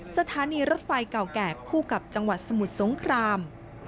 สถานีรถไฟเก่าแก่คู่กับจังหวัดสมุทรสงคราม